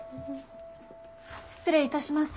失礼いたします。